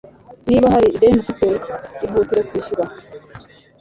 niba hari ideni ufite ihutire kwishyura